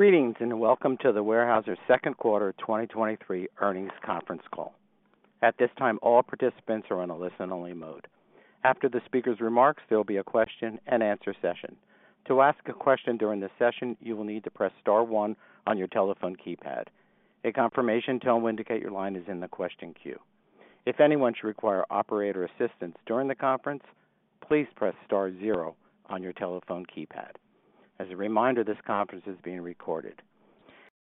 Greetings, welcome to the Weyerhaeuser Q2 2023 Earnings Conference Call. At this time, all participants are on a listen-only mode. After the speaker's remarks, there will be a question-and-answer session. To ask a question during this session, you will need to press star 1 on your telephone keypad. A confirmation tone will indicate your line is in the question queue. If anyone should require operator assistance during the conference, please press star 0 on your telephone keypad. As a reminder, this conference is being recorded.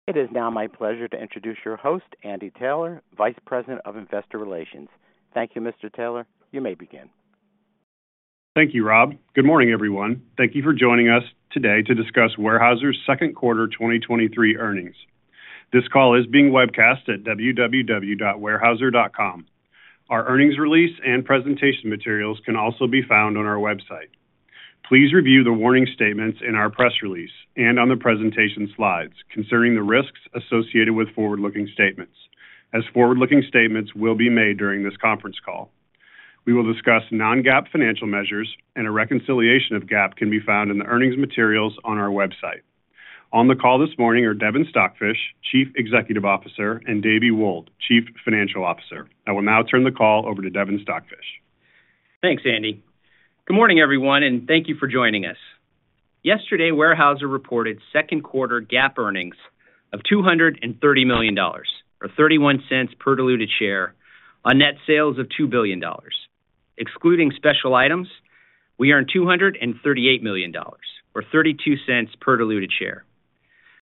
It is now my pleasure to introduce your host, Andy Taylor, Vice President of Investor Relations. Thank you, Mr. Taylor. You may begin. Thank you, Rob. Good morning, everyone. Thank you for joining us today to discuss Weyerhaeuser's Q2 2023 earnings. This call is being webcast at www.weyerhaeuser.com. Our earnings release and presentation materials can also be found on our website. Please review the warning statements in our press release and on the presentation slides concerning the risks associated with forward-looking statements, as forward-looking statements will be made during this conference call. We will discuss non-GAAP financial measures, and a reconciliation of GAAP can be found in the earnings materials on our website. On the call this morning are Devin Stockfish, Chief Executive Officer, and Davey Wold, Chief Financial Officer. I will now turn the call over to Devin Stockfish. Thanks, Andy. Good morning, everyone, and thank you for joining us. Yesterday, Weyerhaeuser reported Q2 GAAP earnings of $230 million, or $0.31 per diluted share on net sales of $2 billion. Excluding special items, we earned $238 million, or $0.32 per diluted share.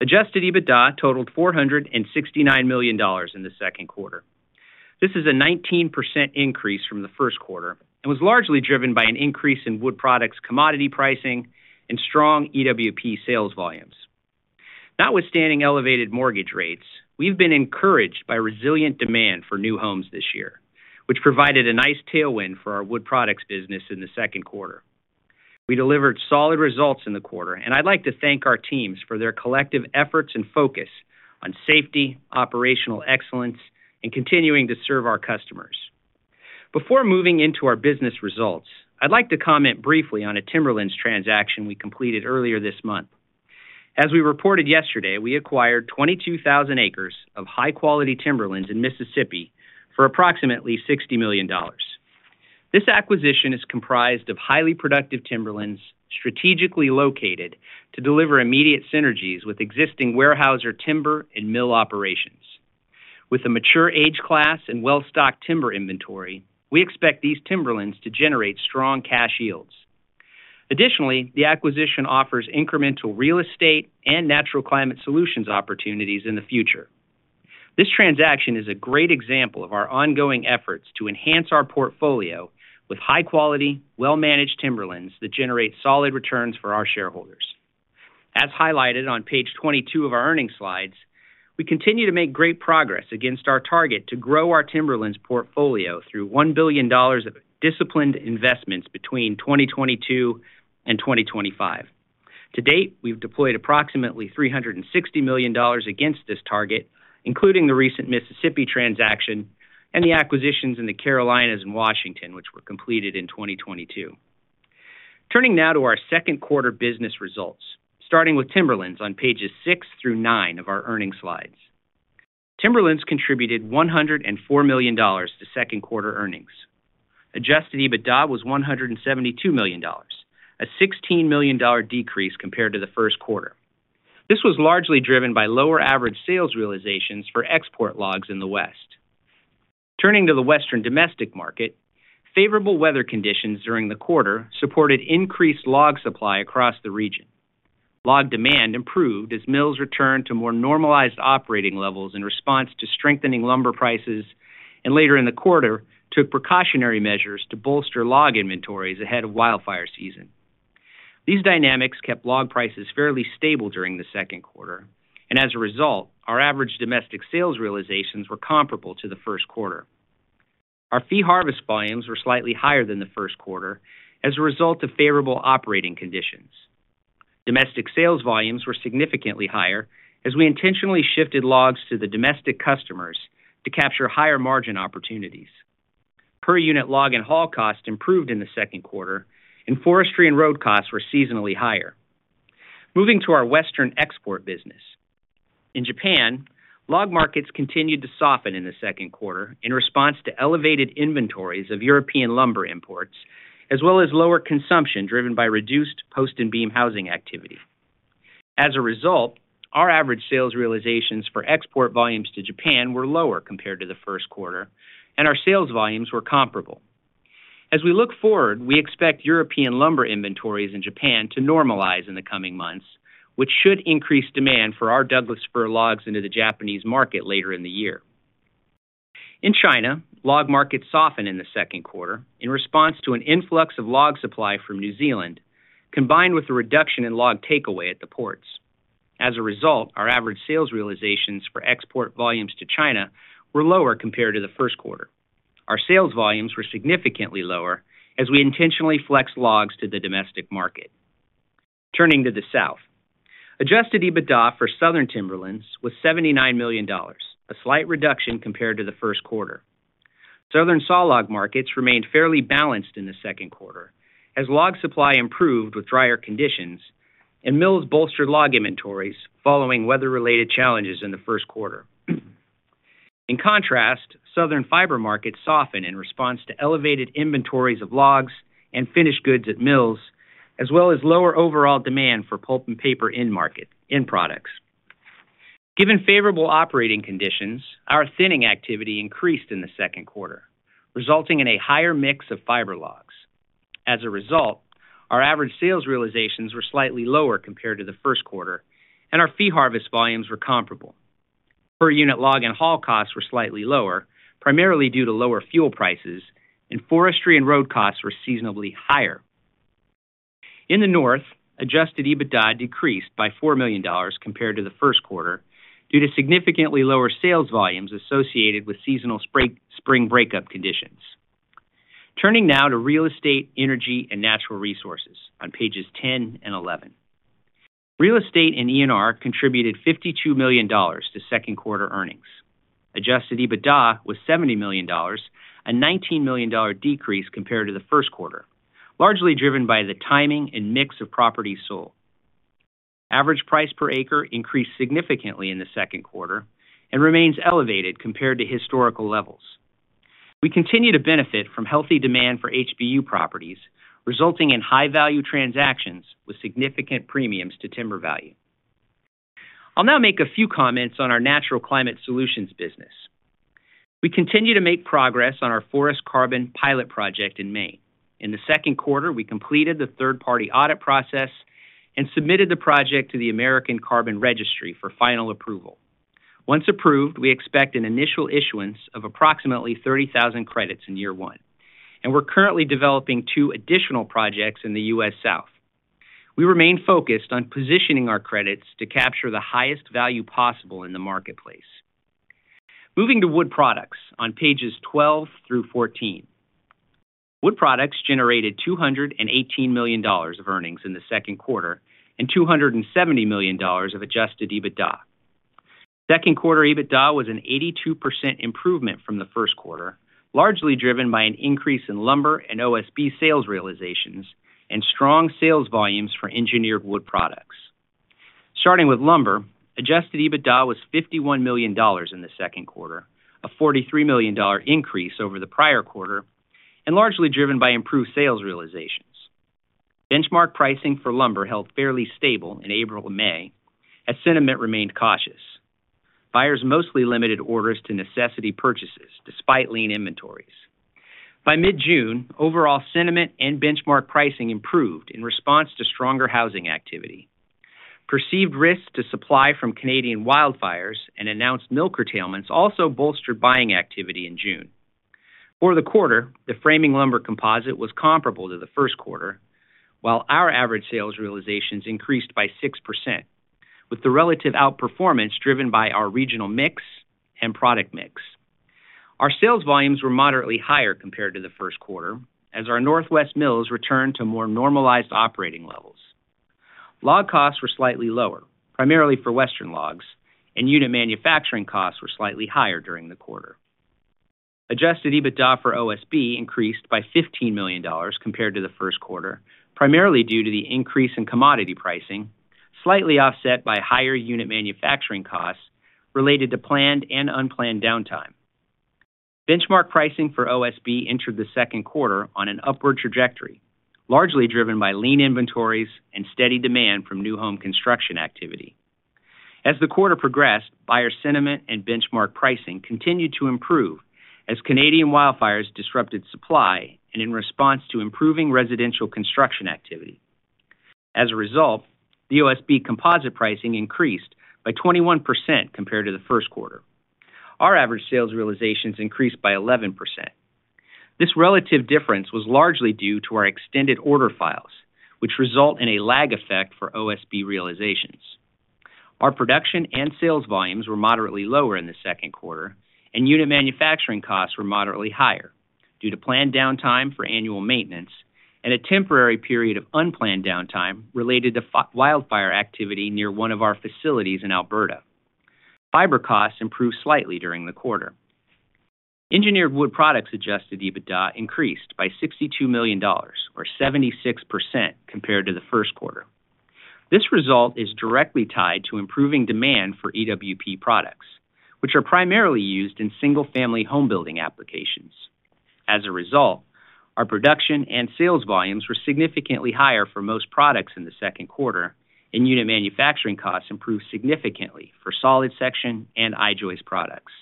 Adjusted EBITDA totaled $469 million in the Q2. This is a 19% increase from the Q1 and was largely driven by an increase in Wood Products, commodity pricing, and strong EWP sales volumes. Notwithstanding elevated mortgage rates, we've been encouraged by resilient demand for new homes this year, which provided a nice tailwind for our Wood Products business in the Q2. We delivered solid results in the quarter, and I'd like to thank our teams for their collective efforts and focus on safety, operational excellence, and continuing to serve our customers. Before moving into our business results, I'd like to comment briefly on a timberlands transaction we completed earlier this month. As we reported yesterday, we acquired 22,000 acres of high-quality timberlands in Mississippi for approximately $60 million. This acquisition is comprised of highly productive timberlands, strategically located to deliver immediate synergies with existing Weyerhaeuser timber and mill operations. With a mature age class and well-stocked timber inventory, we expect these timberlands to generate strong cash yields. Additionally, the acquisition offers incremental real estate and Natural Climate Solutions opportunities in the future. This transaction is a great example of our ongoing efforts to enhance our portfolio with high-quality, well-managed timberlands that generate solid returns for our shareholders. As highlighted on Page 22 of our earnings slides, we continue to make great progress against our target to grow our Timberlands portfolio through $1 billion of disciplined investments between 2022 and 2025. To date, we've deployed approximately $360 million against this target, including the recent Mississippi transaction and the acquisitions in the Carolinas and Washington, which were completed in 2022. Turning now to our Q2 business results, starting with Timberlands on pages six through nine of our earnings slides. Timberlands contributed $104 million to Q2 earnings. Adjusted EBITDA was $172 million, a $16 million decrease compared to the Q1. This was largely driven by lower average sales realizations for export logs in the West. Turning to the Western domestic market, favorable weather conditions during the quarter supported increased log supply across the region. Log demand improved as mills returned to more normalized operating levels in response to strengthening lumber prices, and later in the quarter, took precautionary measures to bolster log inventories ahead of wildfire season. These dynamics kept log prices fairly stable during the Q2, and as a result, our average domestic sales realizations were comparable to the Q1. Our fee harvest volumes were slightly higher than the Q1 as a result of favorable operating conditions. Domestic sales volumes were significantly higher as we intentionally shifted logs to the domestic customers to capture higher-margin opportunities. Per-unit log and haul cost improved in the Q2, and forestry and road costs were seasonally higher. Moving to our Western export business. Japan, log markets continued to soften in the Q2 in response to elevated inventories of European lumber imports, as well as lower consumption driven by reduced post and beam housing activity. A result, our average sales realizations for export volumes to Japan were lower compared to the Q1, and our sales volumes were comparable. We look forward, we expect European lumber inventories in Japan to normalize in the coming months, which should increase demand for our Douglas fir logs into the Japanese market later in the year. China, log markets softened in the Q2 in response to an influx of log supply from New Zealand, combined with a reduction in log takeaway at the ports. A result, our average sales realizations for export volumes to China were lower compared to the Q1. Our sales volumes were significantly lower as we intentionally flexed logs to the domestic market. Turning to the South. Adjusted EBITDA for Southern Timberlands was $79 million, a slight reduction compared to the Q1. Southern sawlog markets remained fairly balanced in the Q2, as log supply improved with drier conditions and mills bolstered log inventories following weather-related challenges in the Q1. In contrast, Southern fiber markets softened in response to elevated inventories of logs and finished goods at mills, as well as lower overall demand for pulp and paper end products. Given favorable operating conditions, our thinning activity increased in the Q2, resulting in a higher mix of fiber logs. As a result, our average sales realizations were slightly lower compared to the Q1, and our fee harvest volumes were comparable. Per unit log and haul costs were slightly lower, primarily due to lower fuel prices, and forestry and road costs were seasonally higher. In the North, Adjusted EBITDA decreased by $4 million compared to the Q1 due to significantly lower sales volumes associated with seasonal spring breakup conditions. Turning now to Real Estate, Energy and Natural Resources on pages 10 and 11. Real Estate & ENR contributed $52 million to Q2 earnings. Adjusted EBITDA was $70 million, a $19 million decrease compared to the Q1, largely driven by the timing and mix of properties sold. Average price per acre increased significantly in the Q2 and remains elevated compared to historical levels. We continue to benefit from healthy demand for HBU properties, resulting in high-value transactions with significant premiums to timber value. I'll now make a few comments on our Natural Climate Solutions business. We continue to make progress on our forest carbon pilot project in Maine. In the Q2, we completed the third-party audit process and submitted the project to the American Carbon Registry for final approval. Once approved, we expect an initial issuance of approximately 30,000 credits in year one, and we're currently developing two additional projects in the US South. We remain focused on positioning our credits to capture the highest value possible in the marketplace. Moving to Wood Products on pages 12 through 14. Wood Products generated $218 million of earnings in the Q2 and $270 million of Adjusted EBITDA. Q2 EBITDA was an 82% improvement from the Q1, largely driven by an increase in lumber and OSB sales realizations and strong sales volumes for engineered wood products. Starting with lumber, Adjusted EBITDA was $51 million in the Q2, a $43 million increase over the prior quarter, and largely driven by improved sales realizations. Benchmark pricing for lumber held fairly stable in April and May, as sentiment remained cautious. Buyers mostly limited orders to necessity purchases, despite lean inventories. By mid-June, overall sentiment and benchmark pricing improved in response to stronger housing activity. Perceived risks to supply from Canadian wildfires and announced mill curtailments also bolstered buying activity in June. For the quarter, the framing lumber composite was comparable to the Q1, while our average sales realizations increased by 6%, with the relative outperformance driven by our regional mix and product mix. Our sales volumes were moderately higher compared to the Q1, as our Northwest mills returned to more normalized operating levels. Log costs were slightly lower, primarily for Western logs, and unit manufacturing costs were slightly higher during the quarter. Adjusted EBITDA for OSB increased by $15 million compared to the Q1, primarily due to the increase in commodity pricing, slightly offset by higher unit manufacturing costs related to planned and unplanned downtime. Benchmark pricing for OSB entered the Q2 on an upward trajectory, largely driven by lean inventories and steady demand from new home construction activity. As the quarter progressed, buyer sentiment and benchmark pricing continued to improve as Canadian wildfires disrupted supply and in response to improving residential construction activity. As a result, the OSB composite pricing increased by 21% compared to the Q1. Our average sales realizations increased by 11%. This relative difference was largely due to our extended order files, which result in a lag effect for OSB realizations. Our production and sales volumes were moderately lower in the Q2, and unit manufacturing costs were moderately higher due to planned downtime for annual maintenance and a temporary period of unplanned downtime related to wildfire activity near one of our facilities in Alberta. Fiber costs improved slightly during the quarter. Engineered Wood Products Adjusted EBITDA increased by $62 million or 76% compared to the Q1. This result is directly tied to improving demand for EWP products, which are primarily used in single-family home building applications. As a result, our production and sales volumes were significantly higher for most products in the Q2, and unit manufacturing costs improved significantly for solid section and I-joist products.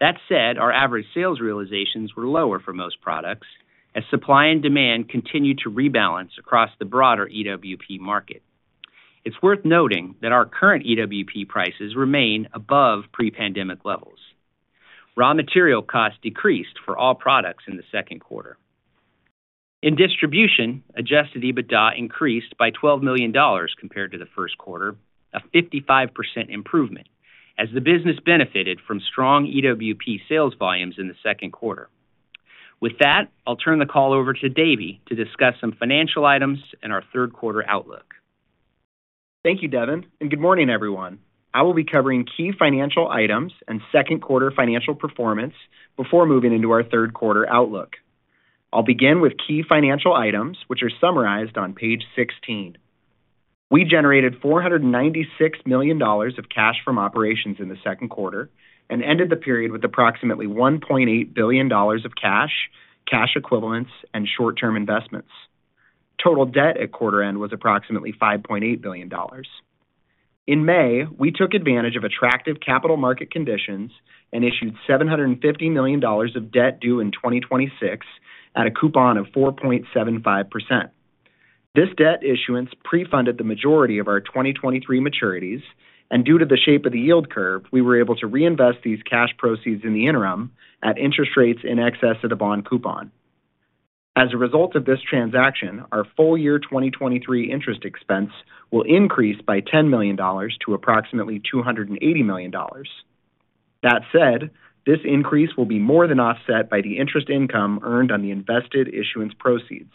That said, our average sales realizations were lower for most products as supply and demand continued to rebalance across the broader EWP market. It's worth noting that our current EWP prices remain above pre-pandemic levels. Raw material costs decreased for all products in the Q2. In distribution, Adjusted EBITDA increased by $12 million compared to the Q1, a 55% improvement, as the business benefited from strong EWP sales volumes in the Q2. With that, I'll turn the call over to Davey to discuss some financial items and our Q3 outlook. Thank you, Devin, and good morning, everyone. I will be covering key financial items and Q2 financial performance before moving into our Q3 outlook. I'll begin with key financial items, which are summarized on page 16. We generated $496 million of cash from operations in the Q2 and ended the period with approximately $1.8 billion of cash, cash equivalents, and short-term investments. Total debt at quarter end was approximately $5.8 billion. In May, we took advantage of attractive capital market conditions and issued $750 million of debt due in 2026 at a coupon of 4.75%. This debt issuance pre-funded the majority of our 2023 maturities, and due to the shape of the yield curve, we were able to reinvest these cash proceeds in the interim at interest rates in excess of the bond coupon. As a result of this transaction, our full year 2023 interest expense will increase by $10 million to approximately $280 million. That said, this increase will be more than offset by the interest income earned on the invested issuance proceeds.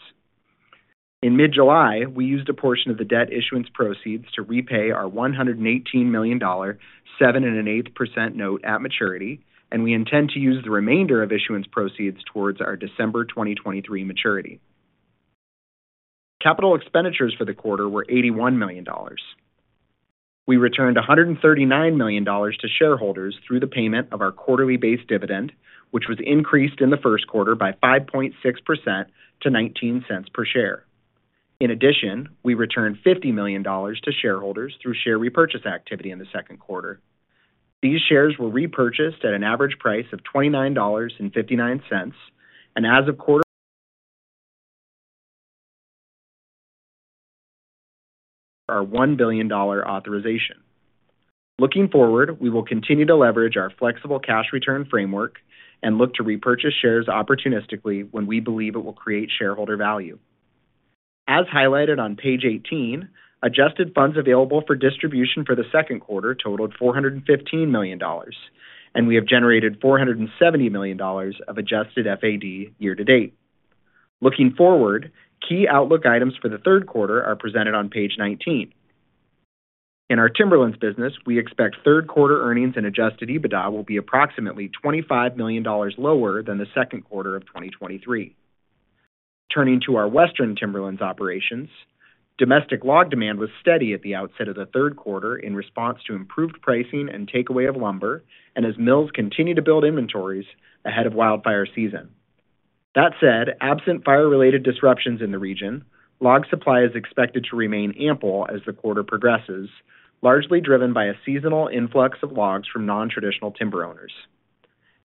In mid-July, we used a portion of the debt issuance proceeds to repay our $118 million, 7.125% note at maturity, and we intend to use the remainder of issuance proceeds towards our December 2023 maturity. Capital expenditures for the quarter were $81 million. We returned $139 million to shareholders through the payment of our quarterly base dividend, which was increased in the Q1 by 5.6% to $0.19 per share. In addition, we returned $50 million to shareholders through share repurchase activity in the Q2. These shares were repurchased at an average price of $29.59, as of quarter, are $1 billion authorization. Looking forward, we will continue to leverage our flexible cash return framework and look to repurchase shares opportunistically when we believe it will create shareholder value. As highlighted on page eighteen, adjusted funds available for distribution for the Q2 totaled $415 million, and we have generated $470 million of adjusted FAD year to date. Looking forward, key outlook items for the Q3 are presented on page 19. In our Timberlands business, we expect Q3 earnings and Adjusted EBITDA will be approximately $25 million lower than the Q2 of 2023. Turning to our Western Timberlands operations, domestic log demand was steady at the outset of the Q3 in response to improved pricing and takeaway of lumber, and as mills continue to build inventories ahead of wildfire season. That said, absent fire-related disruptions in the region, log supply is expected to remain ample as the quarter progresses, largely driven by a seasonal influx of logs from non-traditional timber owners.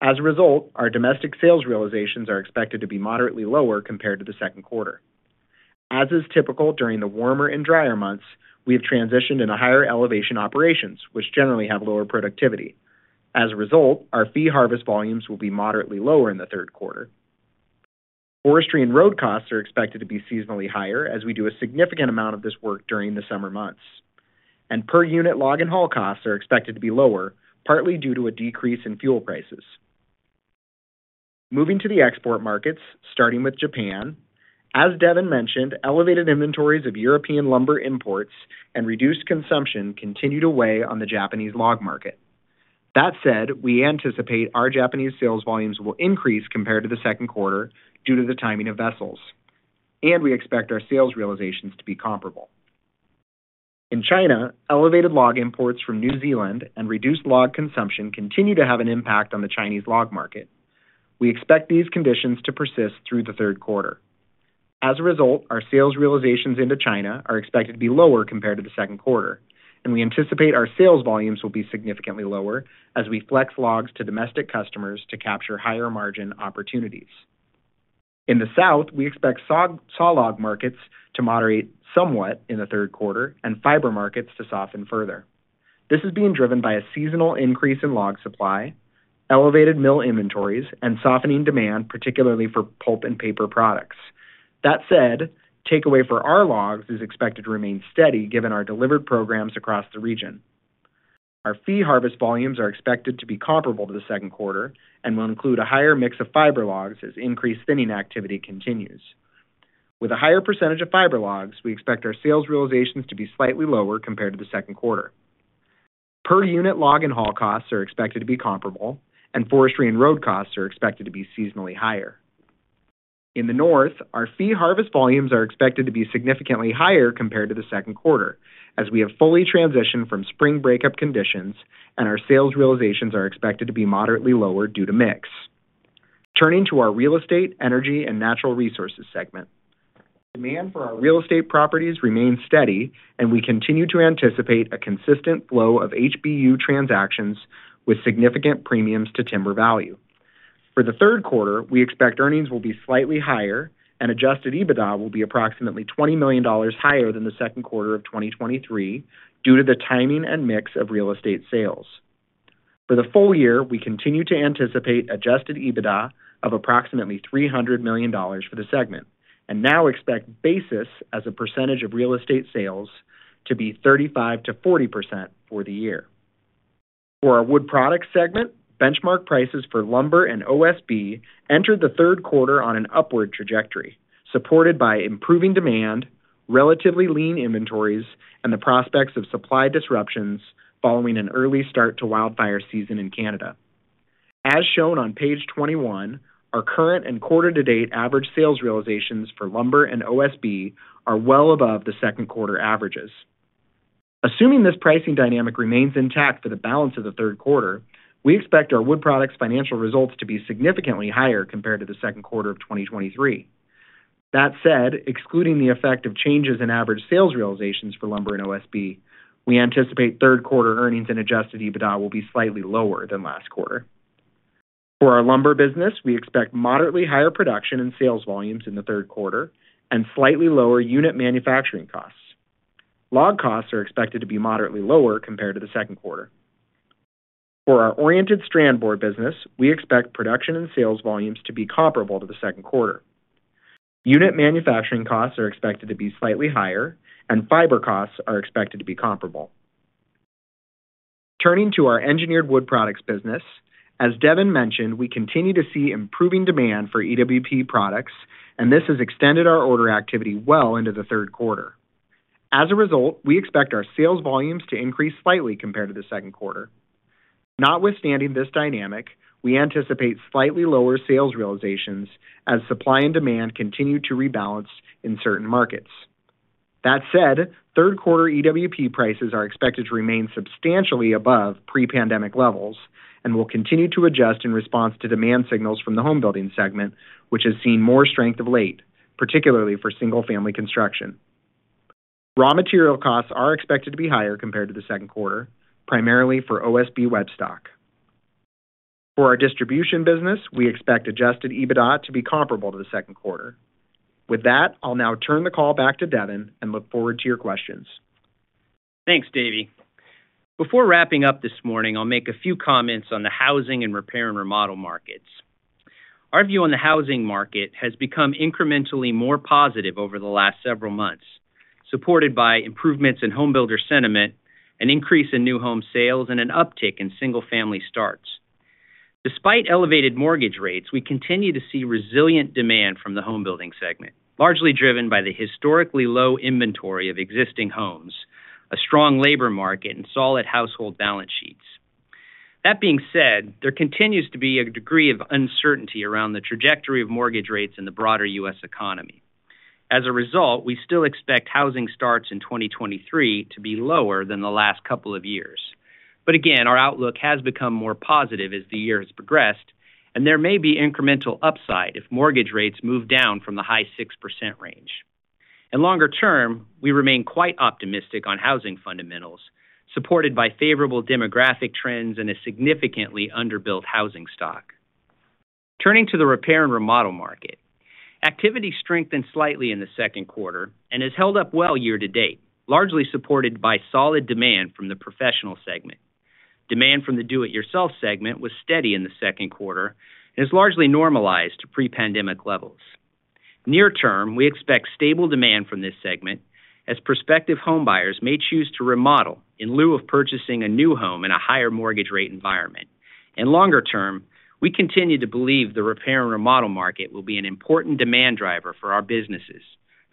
As a result, our domestic sales realizations are expected to be moderately lower compared to the Q2. As is typical during the warmer and drier months, we have transitioned in a higher elevation operations, which generally have lower productivity. As a result, our fee harvest volumes will be moderately lower in the Q3. forestry and road costs are expected to be seasonally higher as we do a significant amount of this work during the summer months. Per unit, log and haul costs are expected to be lower, partly due to a decrease in fuel prices. Moving to the export markets, starting with Japan. As Devin mentioned, elevated inventories of European lumber imports and reduced consumption continued to weigh on the Japanese log market. That said, we anticipate our Japanese sales volumes will increase compared to the Q2 due to the timing of vessels, and we expect our sales realizations to be comparable. In China, elevated log imports from New Zealand and reduced log consumption continue to have an impact on the Chinese log market. We expect these conditions to persist through the Q3. As a result, our sales realizations into China are expected to be lower compared to the Q2, and we anticipate our sales volumes will be significantly lower as we flex logs to domestic customers to capture higher-margin opportunities. In the South, we expect sawlog markets to moderate somewhat in the Q3 and fiber markets to soften further. This is being driven by a seasonal increase in log supply, elevated mill inventories, and softening demand, particularly for pulp and paper products. That said, takeaway for our logs is expected to remain steady, given our delivered programs across the region. Our fee harvest volumes are expected to be comparable to the Q2 and will include a higher mix of fiber logs as increased thinning activity continues. With a higher % of fiber logs, we expect our sales realizations to be slightly lower compared to the Q2. Per unit log and haul costs are expected to be comparable, and forestry and road costs are expected to be seasonally higher. In the North, our fee harvest volumes are expected to be significantly higher compared to the Q2, as we have fully transitioned from spring breakup conditions, and our sales realizations are expected to be moderately lower due to mix. Turning to our Real Estate, Energy and Natural Resources segment. Demand for our real estate properties remains steady, and we continue to anticipate a consistent flow of HBU transactions with significant premiums to timber value. For the Q3, we expect earnings will be slightly higher and Adjusted EBITDA will be approximately $20 million higher than the Q2 of 2023 due to the timing and mix of real estate sales. For the full year, we continue to anticipate Adjusted EBITDA of approximately $300 million for the segment and now expect basis as a percentage of real estate sales to be 35%-40% for the year. For our Wood Products segment, benchmark prices for lumber and OSB entered the Q3 on an upward trajectory, supported by improving demand, relatively lean inventories, and the prospects of supply disruptions following an early start to wildfire season in Canada. As shown on page 21, our current and quarter-to-date average sales realizations for lumber and OSB are well above the Q2 averages. Assuming this pricing dynamic remains intact for the balance of the Q3, we expect our Wood Products financial results to be significantly higher compared to the Q2 of 2023. That said, excluding the effect of changes in average sales realizations for lumber and OSB, we anticipate Q3 earnings and Adjusted EBITDA will be slightly lower than Q4. For our lumber business, we expect moderately higher production and sales volumes in the Q3 and slightly lower unit manufacturing costs. Log costs are expected to be moderately lower compared to the Q2. For our oriented strand board business, we expect production and sales volumes to be comparable to the Q2. Unit manufacturing costs are expected to be slightly higher, and fiber costs are expected to be comparable. Turning to our engineered wood products business, as Devin mentioned, we continue to see improving demand for EWP products, and this has extended our order activity well into the Q3. As a result, we expect our sales volumes to increase slightly compared to the Q2. Notwithstanding this dynamic, we anticipate slightly lower sales realizations as supply and demand continue to rebalance in certain markets. That said, Q3 EWP prices are expected to remain substantially above pre-pandemic levels and will continue to adjust in response to demand signals from the home building segment, which has seen more strength of late, particularly for single-family construction. Raw material costs are expected to be higher compared to the Q2, primarily for OSB web stock. For our distribution business, we expect Adjusted EBITDA to be comparable to the Q2. With that, I'll now turn the call back to Devin and look forward to your questions. Thanks, Davey. Before wrapping up this morning, I'll make a few comments on the housing and repair and remodel markets. Our view on the housing market has become incrementally more positive over the last several months, supported by improvements in home builder sentiment, an increase in new home sales, and an uptick in single-family starts. Despite elevated mortgage rates, we continue to see resilient demand from the home building segment, largely driven by the historically low inventory of existing homes, a strong labor market, and solid household balance sheets. That being said, there continues to be a degree of uncertainty around the trajectory of mortgage rates in the broader U.S. economy. As a result, we still expect housing starts in 2023 to be lower than the last couple of years. Again, our outlook has become more positive as the year has progressed, and there may be incremental upside if mortgage rates move down from the high 6% range. Longer term, we remain quite optimistic on housing fundamentals, supported by favorable demographic trends and a significantly underbuilt housing stock. Turning to the repair and remodel market. Activity strengthened slightly in the Q2 and has held up well year to date, largely supported by solid demand from the professional segment. Demand from the do-it-yourself segment was steady in the Q2 and is largely normalized to pre-pandemic levels. Near term, we expect stable demand from this segment as prospective home buyers may choose to remodel in lieu of purchasing a new home in a higher mortgage rate environment. Longer term, we continue to believe the repair and remodel market will be an important demand driver for our businesses,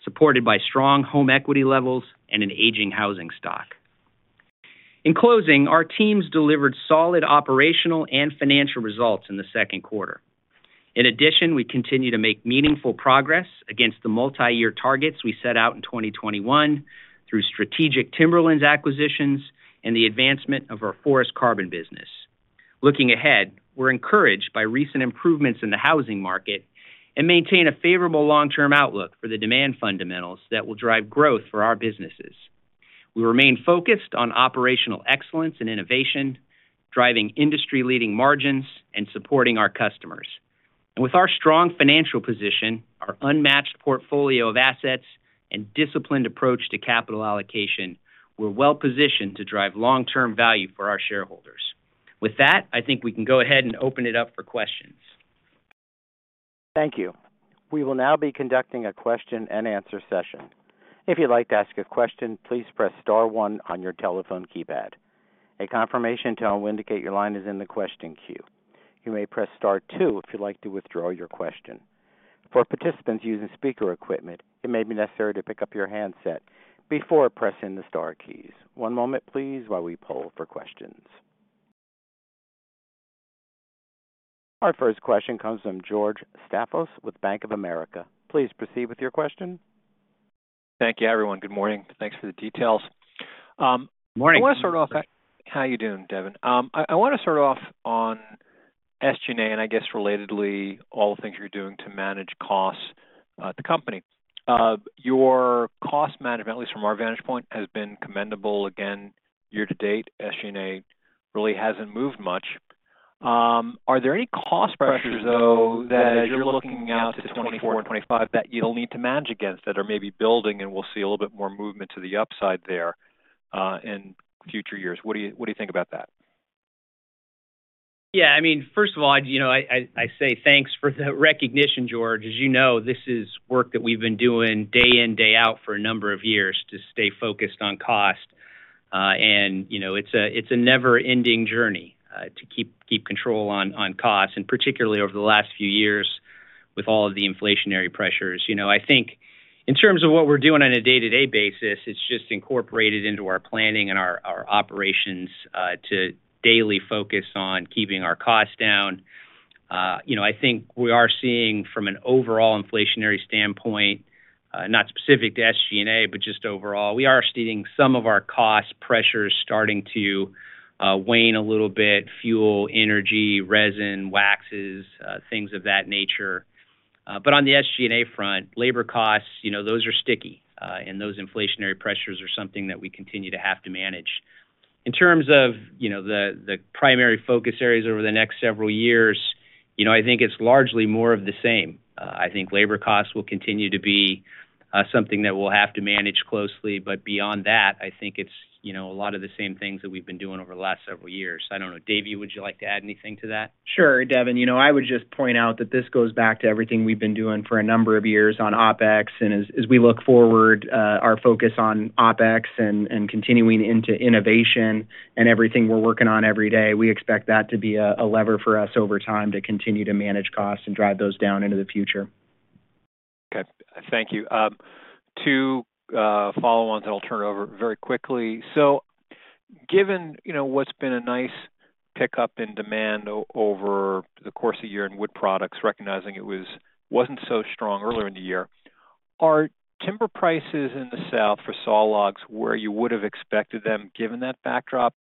supported by strong home equity levels and an aging housing stock. In closing, our teams delivered solid operational and financial results in the Q2. In addition, we continue to make meaningful progress against the multi-year targets we set out in 2021 through strategic timberlands acquisitions and the advancement of our forest carbon business. Looking ahead, we're encouraged by recent improvements in the housing market and maintain a favorable long-term outlook for the demand fundamentals that will drive growth for our businesses. We remain focused on operational excellence and innovation, driving industry-leading margins and supporting our customers. With our strong financial position, our unmatched portfolio of assets, and disciplined approach to capital allocation, we're well positioned to drive long-term value for our shareholders. With that, I think we can go ahead and open it up for questions. Thank you. We will now be conducting a question-and-answer session. If you'd like to ask a question, please press star one on your telephone keypad. A confirmation tone will indicate your line is in the question queue. You may press star two if you'd like to withdraw your question. For participants using speaker equipment, it may be necessary to pick up your handset before pressing the star keys. One moment, please, while we poll for questions. Our first question comes from George Staphos with Bank of America. Please proceed with your question. Thank you, everyone. Good morning. Thanks for the details. Morning. I want to start off. How are you doing, Devin? I, I want to start off on SG&A, and I guess relatedly, all the things you're doing to manage costs at the company. Your cost management, at least from our vantage point, has been commendable. Again, year to date, SG&A really hasn't moved much. Are there any cost pressures, though, that as you're looking out to 2024 and 2025, that you'll need to manage against that are maybe building, and we'll see a little bit more movement to the upside there in future years? What do you, what do you think about that? Yeah, I mean, first of all, you know, I say thanks for the recognition, George. As you know, this is work that we've been doing day in, day out for a number of years to stay focused on cost. You know, it's a never-ending journey to keep control on costs, and particularly over the last few years with all of the inflationary pressures. You know, I think in terms of what we're doing on a day-to-day basis, it's just incorporated into our planning and our operations to daily focus on keeping our costs down. You know, I think we are seeing from an overall inflationary standpoint, not specific to SG&A, but just overall, we are seeing some of our cost pressures starting to wane a little bit: fuel, energy, resin, waxes, things of that nature. On the SG&A front, labor costs, you know, those are sticky, and those inflationary pressures are something that we continue to have to manage. In terms of, you know, the, the primary focus areas over the next several years, you know, I think it's largely more of the same. I think labor costs will continue to be something that we'll have to manage closely, but beyond that, I think it's, you know, a lot of the same things that we've been doing over the last several years. I don't know. Davey, would you like to add anything to that? Sure, Devin. You know, I would just point out that this goes back to everything we've been doing for a number of years on OpEx. As we look forward, our focus on OpEx and continuing into innovation and everything we're working on every day, we expect that to be a lever for us over time to continue to manage costs and drive those down into the future. Okay. Thank you. Two follow-ons, I'll turn it over very quickly. Given, you know, what's been a nice pickup in demand over the course of the year in Wood Products, recognizing it wasn't so strong earlier in the year, are timber prices in the South for sawlogs where you would have expected them, given that backdrop?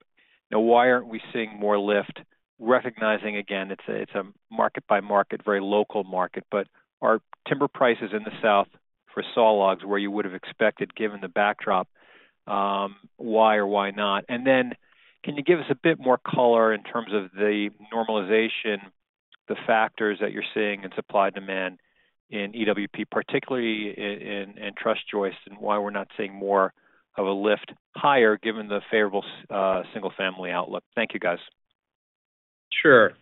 Why aren't we seeing more lift, recognizing, again, it's a, it's a market-by-market, very local market, but are timber prices in the South for sawlogs where you would have expected, given the backdrop? Why or why not? Then can you give us a bit more color in terms of the normalization, the factors that you're seeing in supply and demand in EWP, particularly in truss joists, and why we're not seeing more of a lift higher given the favorable single-family outlook? Thank you, guys. Sure.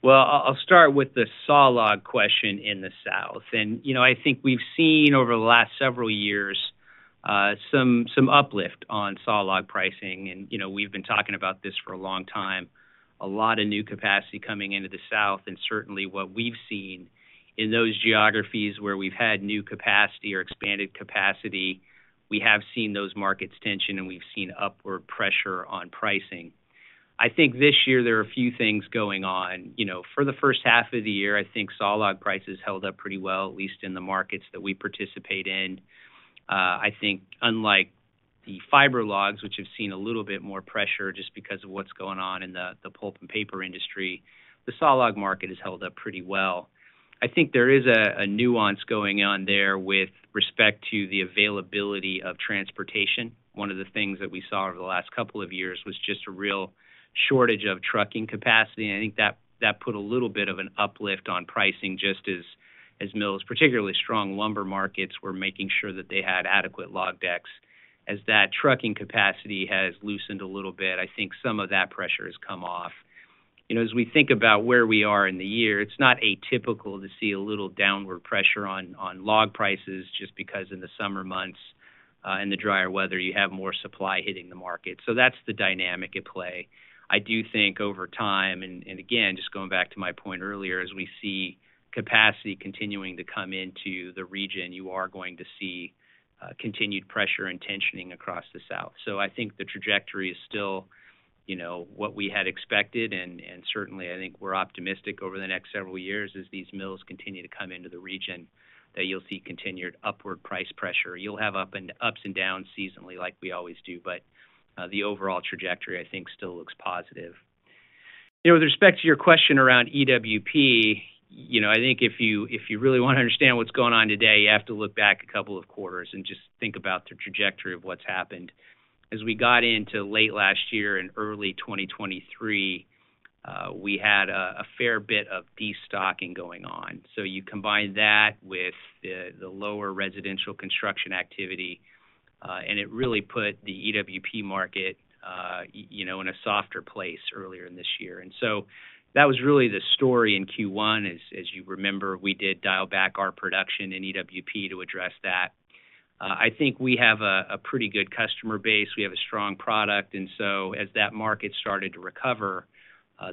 Well, I'll start with the sawlog question in the South. You know, I think we've seen over the last several years, some uplift on sawlog pricing. You know, we've been talking about this for a long time. A lot of new capacity coming into the South, and certainly what we've seen in those geographies where we've had new capacity or expanded capacity, we have seen those markets tension, and we've seen upward pressure on pricing. I think this year there are a few things going on. You know, for the first half of the year, I think sawlog prices held up pretty well, at least in the markets that we participate in. I think unlike the fiber logs, which have seen a little bit more pressure just because of what's going on in the, the pulp and paper industry, the sawlog market has held up pretty well. I think there is a nuance going on there with respect to the availability of transportation. One of the things that we saw over the last couple of years was just a real shortage of trucking capacity. I think that put a little bit of an uplift on pricing, just as mills, particularly strong lumber markets, were making sure that they had adequate log decks. As that trucking capacity has loosened a little bit, I think some of that pressure has come off. You know, as we think about where we are in the year, it's not atypical to see a little downward pressure on, on log prices just because in the summer months, and the drier weather, you have more supply hitting the market. That's the dynamic at play. I do think over time, and, and again, just going back to my point earlier, as we see capacity continuing to come into the region, you are going to see continued pressure and tensioning across the South. I think the trajectory is still, you know, what we had expected, and, and certainly, I think we're optimistic over the next several years as these mills continue to come into the region, that you'll see continued upward price pressure. You'll have up and- ups and downs seasonally, like we always do, the overall trajectory, I think, still looks positive. You know, with respect to your question around EWP, you know, I think if you, if you really want to understand what's going on today, you have to look back a couple of quarters and just think about the trajectory of what's happened. As we got into late last year and early 2023, we had a, a fair bit of destocking going on. You combine that with the, the lower residential construction activity, and it really put the EWP market, you know, in a softer place earlier in this year. That was really the story in Q1. As, as you remember, we did dial back our production in EWP to address that. I think we have a, a pretty good customer base. We have a strong product, as that market started to recover,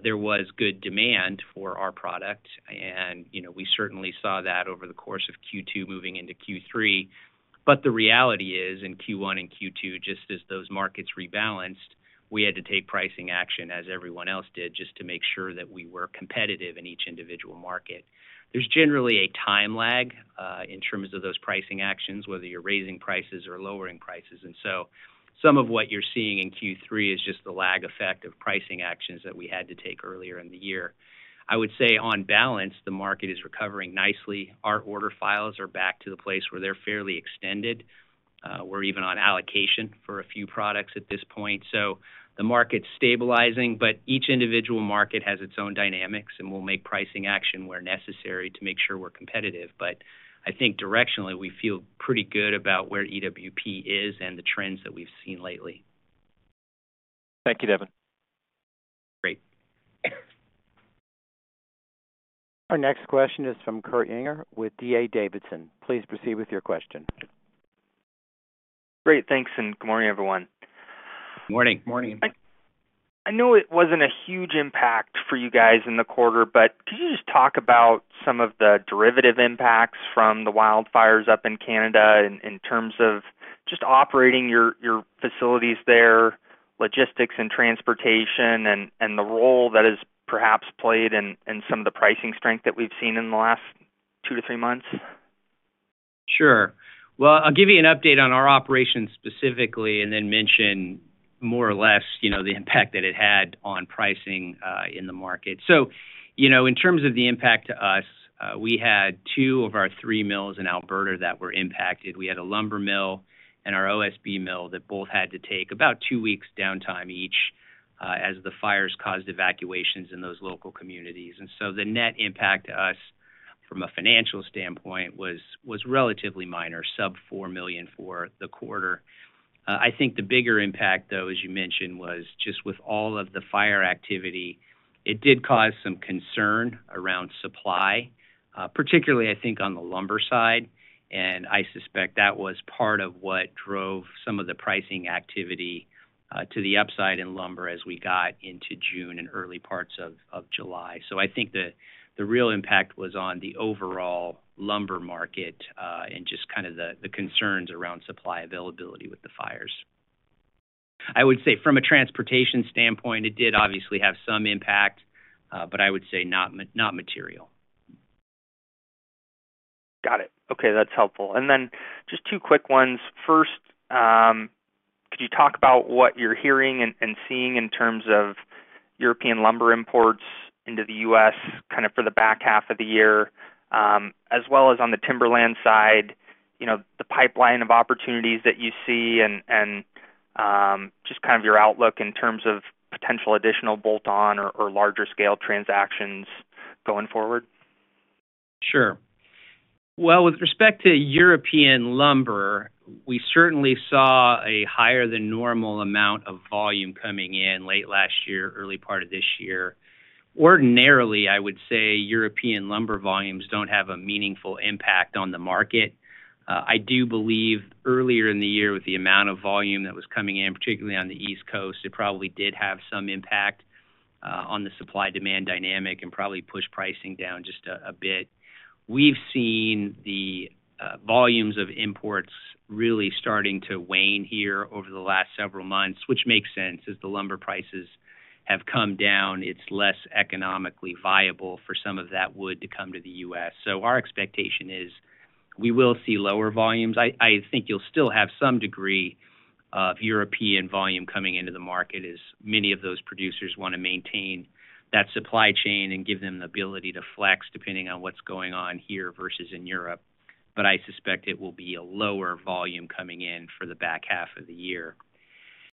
there was good demand for our product, and, you know, we certainly saw that over the course of Q2 moving into Q3. The reality is, in Q1 and Q2, just as those markets rebalanced, we had to take pricing action as everyone else did, just to make sure that we were competitive in each individual market. There's generally a time lag, in terms of those pricing actions, whether you're raising prices or lowering prices. Some of what you're seeing in Q3 is just the lag effect of pricing actions that we had to take earlier in the year. I would say on balance, the market is recovering nicely. Our order files are back to the place where they're fairly extended. We're even on allocation for a few products at this point. The market's stabilizing, but each individual market has its own dynamics, and we'll make pricing action where necessary to make sure we're competitive. I think directionally, we feel pretty good about where EWP is and the trends that we've seen lately. Thank you, Devin. Great. Our next question is from Kurt Yinger with D.A. Davidson. Please proceed with your question. Great. Thanks, and good morning, everyone. Morning. Morning. I know it wasn't a huge impact for you guys in the quarter, but could you just talk about some of the derivative impacts from the wildfires up in Canada in terms of just operating your facilities there, logistics and transportation, and the role that has perhaps played in some of the pricing strength that we've seen in the last 2-3 months? Sure. Well, I'll give you an update on our operations specifically, and then mention more or less, you know, the impact that it had on pricing in the market. You know, in terms of the impact to us, we had 2 of our 3 mills in Alberta that were impacted. We had a lumber mill and our OSB mill that both had to take about 2 weeks downtime each, as the fires caused evacuations in those local communities. The net impact to us, from a financial standpoint, was relatively minor, sub $4 million for the quarter. I think the bigger impact, though, as you mentioned, was just with all of the fire activity, it did cause some concern around supply, particularly, I think, on the lumber side, and I suspect that was part of what drove some of the pricing activity to the upside in lumber as we got into June and early parts of July. I think the real impact was on the overall lumber market, and just kind of the concerns around supply availability with the fires. I would say from a transportation standpoint, it did obviously have some impact, but I would say not material. Got it. Okay, that's helpful. Then just 2 quick ones. First, could you talk about what you're hearing and seeing in terms of European lumber imports into the U.S., kind of for the back half of the year, as well as on the timberland side, you know, the pipeline of opportunities that you see and just kind of your outlook in terms of potential additional bolt-on or larger-scale transactions going forward? Sure. Well, with respect to European lumber, we certainly saw a higher-than-normal amount of volume coming in late last year, early part of this year. Ordinarily, I would say European lumber volumes don't have a meaningful impact on the market. I do believe earlier in the year, with the amount of volume that was coming in, particularly on the East Coast, it probably did have some impact on the supply-demand dynamic and probably pushed pricing down just a bit. We've seen the volumes of imports really starting to wane here over the last several months, which makes sense. As the lumber prices have come down, it's less economically viable for some of that wood to come to the U.S. Our expectation is we will see lower volumes. I think you'll still have some degree of European volume coming into the market, as many of those producers want to maintain that supply chain and give them the ability to flex, depending on what's going on here versus in Europe. I suspect it will be a lower volume coming in for the back half of the year.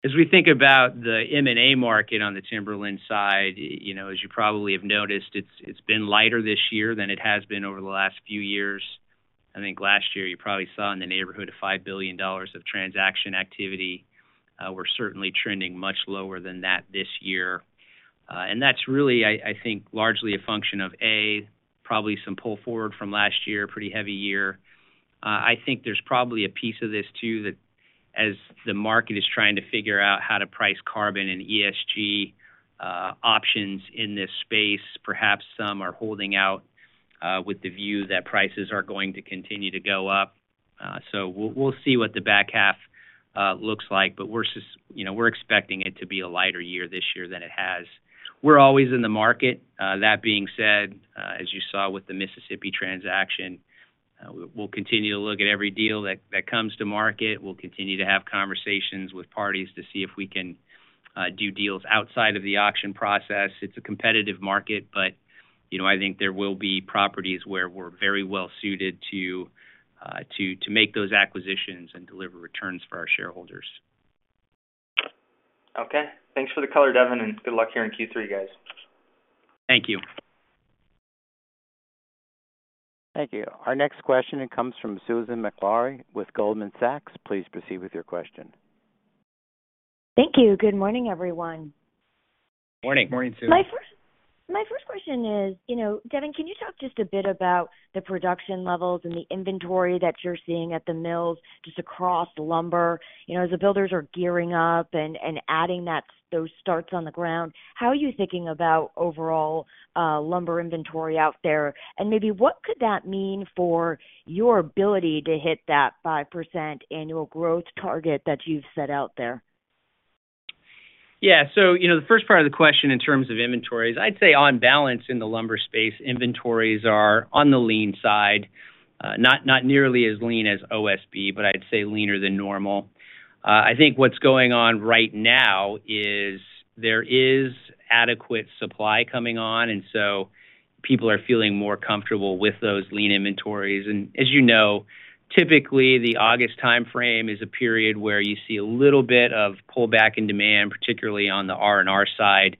As we think about the M&A market on the timberland side, you know, as you probably have noticed, it's been lighter this year than it has been over the last few years. I think last year you probably saw in the neighborhood of $5 billion of transaction activity. We're certainly trending much lower than that this year. That's really, I think, largely a function of, A, probably some pull forward from last year, pretty heavy year. I think there's probably a piece of this, too, that as the market is trying to figure out how to price carbon and ESG options in this space, perhaps some are holding out with the view that prices are going to continue to go up. We'll, we'll see what the back half looks like, but you know, we're expecting it to be a lighter year this year than it has. We're always in the market. That being said, as you saw with the Mississippi transaction, we'll continue to look at every deal that, that comes to market. We'll continue to have conversations with parties to see if we can do deals outside of the auction process. It's a competitive market, but, you know, I think there will be properties where we're very well suited to, to, to make those acquisitions and deliver returns for our shareholders. Okay. Thanks for the color, Devin, and good luck here in Q3, guys. Thank you. Thank you. Our next question comes from Susan Maklari with Goldman Sachs. Please proceed with your question. Thank you. Good morning, everyone. Morning. Morning, Susan. My first, my first question is, you know, Devin, can you talk just a bit about the production levels and the inventory that you're seeing at the mills, just across lumber? You know, as the builders are gearing up and, and adding those starts on the ground, how are you thinking about overall, lumber inventory out there? Maybe what could that mean for your ability to hit that 5% annual growth target that you've set out there? Yeah. you know, the first part of the question, in terms of inventories, I'd say on balance in the lumber space, inventories are on the lean side, not, not nearly as lean as OSB, but I'd say leaner than normal. I think what's going on right now is there is adequate supply coming on, and so people are feeling more comfortable with those lean inventories. As you know, typically the August time frame is a period where you see a little bit of pullback in demand, particularly on the R&R side,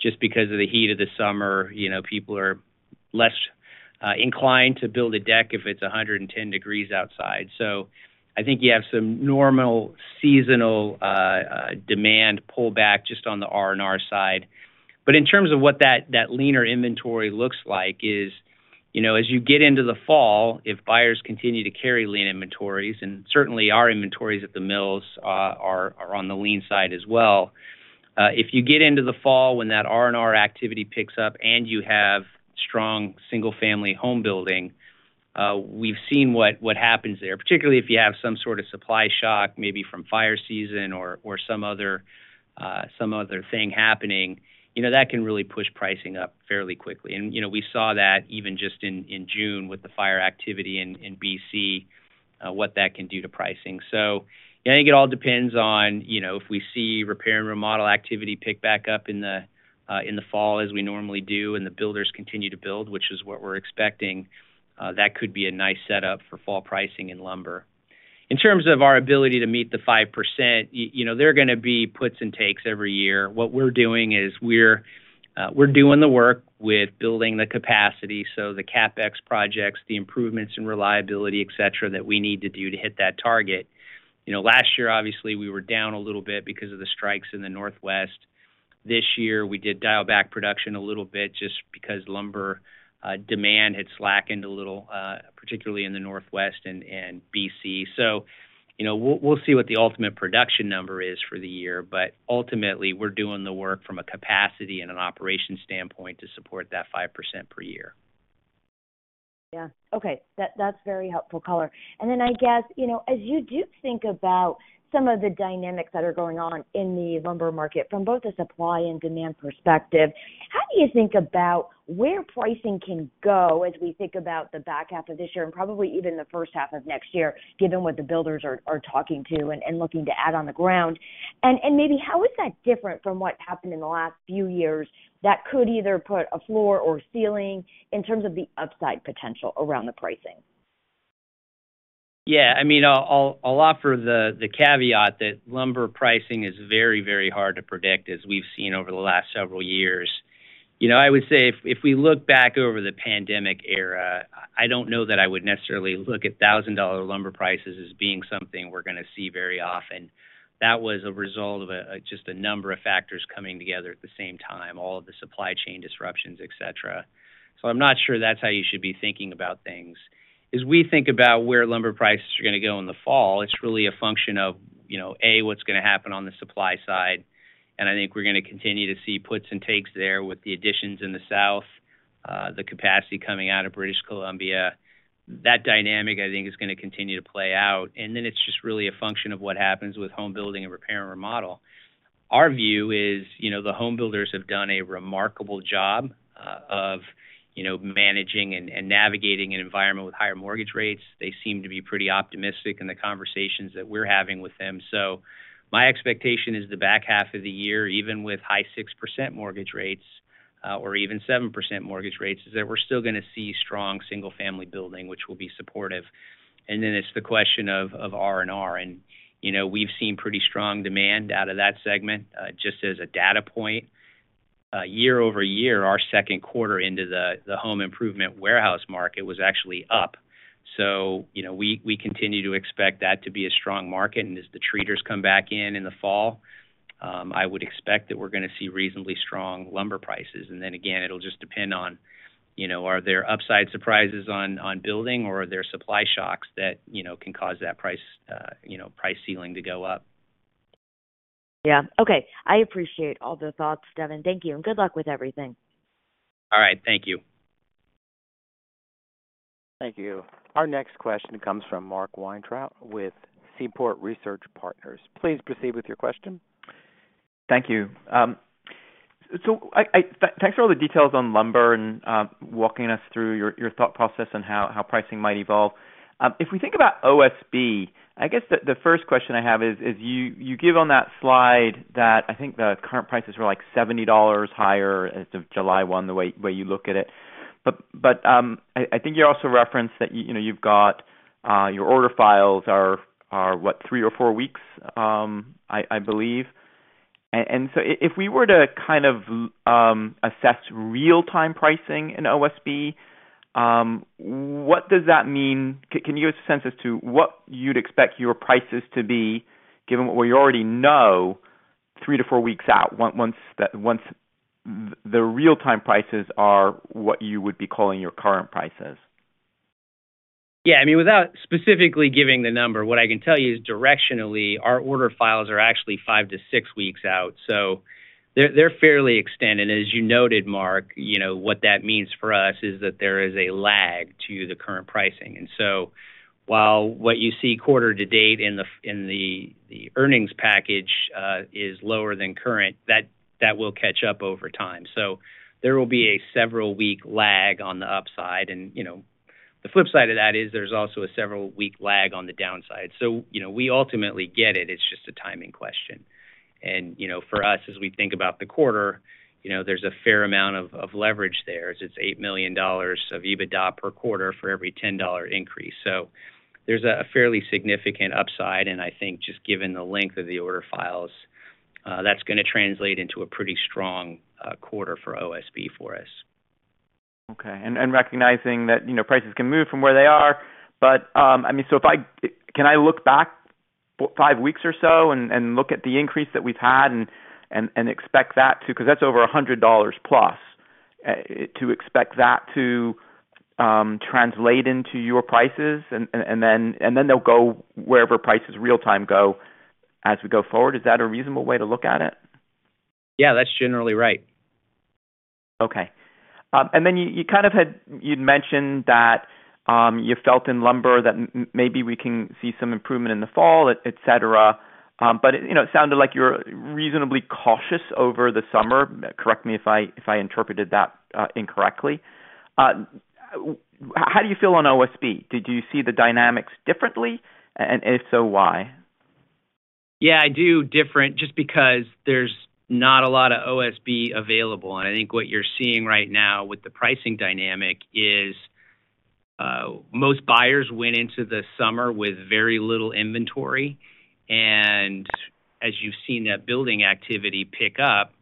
just because of the heat of the summer. You know, people are less inclined to build a deck if it's 110 degrees outside. I think you have some normal seasonal demand pullback just on the R&R side. In terms of what that, that leaner inventory looks like is, you know, as you get into the fall, if buyers continue to carry lean inventories, and certainly our inventories at the mills, are on the lean side as well. If you get into the fall when that R&R activity picks up and you have strong single-family home building, we've seen what, what happens there, particularly if you have some sort of supply shock, maybe from fire season or, or some other, some other thing happening, you know, that can really push pricing up fairly quickly. You know, we saw that even just in, in June with the fire activity in, in BC, what that can do to pricing. I think it all depends on, you know, if we see repair and remodel activity pick back up in the fall as we normally do, and the builders continue to build, which is what we're expecting, that could be a nice setup for fall pricing in lumber. In terms of our ability to meet the 5%, you know, there are gonna be puts and takes every year. What we're doing is we're doing the work with building the capacity, so the CapEx projects, the improvements in reliability, et cetera, that we need to do to hit that target. You know, last year, obviously, we were down a little bit because of the strikes in the Northwest. This year, we did dial back production a little bit just because lumber demand had slackened a little, particularly in the Northwest and, and BC. You know, we'll, we'll see what the ultimate production number is for the year, but ultimately, we're doing the work from a capacity and an operations standpoint to support that 5% per year. Yeah. Okay, that, that's very helpful color. I guess, you know, as you do think about some of the dynamics that are going on in the lumber market from both a supply and demand perspective, how do you think about where pricing can go as we think about the back half of this year and probably even the first half of next year, given what the builders are talking to and looking to add on the ground? Maybe how is that different from what happened in the last few years that could either put a floor or ceiling in terms of the upside potential around the pricing? Yeah, I mean, I'll, I'll offer the, the caveat that lumber pricing is very, very hard to predict, as we've seen over the last several years. You know, I would say if, if we look back over the pandemic era, I don't know that I would necessarily look at $1,000 lumber prices as being something we're gonna see very often. That was a result of a, just a number of factors coming together at the same time, all of the supply chain disruptions, et cetera. I'm not sure that's how you should be thinking about things. As we think about where lumber prices are gonna go in the fall, it's really a function of, you know, A, what's gonna happen on the supply side. I think we're gonna continue to see puts and takes there with the additions in the South, the capacity coming out of British Columbia. That dynamic, I think, is gonna continue to play out. Then it's just really a function of what happens with home building and repair and remodel. Our view is, you know, the home builders have done a remarkable job, of, you know, managing and, and navigating an environment with higher mortgage rates. They seem to be pretty optimistic in the conversations that we're having with them. My expectation is the back half of the year, even with high 6% mortgage rates, or even 7% mortgage rates, is that we're still gonna see strong single-family building, which will be supportive. Then it's the question of, of R&R, and, you know, we've seen pretty strong demand out of that segment. Just as a data point, year-over-year, our Q2 into the, the home improvement warehouse market was actually up. You know, we, we continue to expect that to be a strong market, and as the treaters come back in in the fall, I would expect that we're gonna see reasonably strong lumber prices. Then again, it'll just depend on, you know, are there upside surprises on, on building, or are there supply shocks that you know, can cause that price, you know, price ceiling to go up? Yeah. Okay. I appreciate all the thoughts, Devin. Thank you, and good luck with everything. All right, thank you. Thank you. Our next question comes from Mark Weintraub with Seaport Research Partners. Please proceed with your question. Thank you. Thanks for all the details on lumber and walking us through your, your thought process on how pricing might evolve. If we think about OSB, I guess the first question I have is, you give on that slide that I think the current prices were, like, $70 higher as of July 1, the way you look at it. I think you also referenced that you know, you've got, your order files are what? three or four weeks, I believe. If we were to kind of assess real-time pricing in OSB, what does that mean? Can you give a census to what you'd expect your prices to be, given what we already know, three to four weeks out, once the real-time prices are what you would be calling your current prices? Yeah, I mean, without specifically giving the number, what I can tell you is directionally, our order files are actually 5 to 6 weeks out, so they're, they're fairly extended. As you noted, Mark, you know, what that means for us is that there is a lag to the current pricing. While what you see quarter to date in the in the, the earnings package, is lower than current, that, that will catch up over time. There will be a several week lag on the upside and, you know, the flip side of that is there's also a several week lag on the downside. You know, we ultimately get it. It's just a timing question. You know, for us, as we think about the quarter, you know, there's a fair amount of, of leverage there as it's $8 million of EBITDA per quarter for every $10 increase. There's a, a fairly significant upside, and I think just given the length of the order files, that's gonna translate into a pretty strong quarter for OSB for us. Okay. Recognizing that, you know, prices can move from where they are, but, I mean, can I look back five weeks or so and look at the increase that we've had and expect that to-- 'cause that's over $100 plus, to expect that to translate into your prices, and then they'll go wherever prices real time go as we go forward. Is that a reasonable way to look at it? Yeah, that's generally right. Okay. Then you, you kind of you'd mentioned that, you felt in lumber that maybe we can see some improvement in the fall, et cetera, but, you know, it sounded like you're reasonably cautious over the summer. Correct me if I, if I interpreted that incorrectly. How do you feel on OSB? Do you see the dynamics differently? If so, why? Yeah, I do different just because there's not a lot of OSB available, and I think what you're seeing right now with the pricing dynamic is, most buyers went into the summer with very little inventory, and as you've seen that building activity pick up,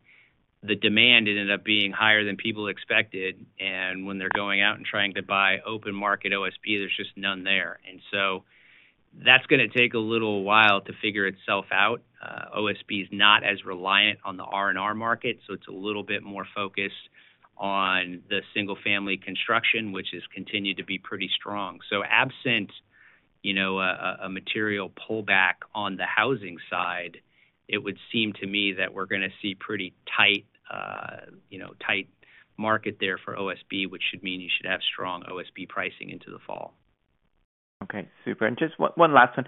the demand ended up being higher than people expected, and when they're going out and trying to buy open market OSB, there's just none there. So that's gonna take a little while to figure itself out. OSB is not as reliant on the R&R market, so it's a little bit more focused on the single-family construction, which has continued to be pretty strong. Absent, you know, a, a, a material pullback on the housing side, it would seem to me that we're gonna see pretty tight, you know, tight market there for OSB, which should mean you should have strong OSB pricing into the fall. Okay, super. Just one, one last one.